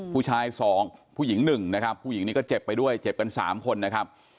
ผู้ชาย๒ผู้หญิง๑นะครับผู้หญิงนี้ก็เจ็บไปด้วยเจ็บกัน๓คนนะครับ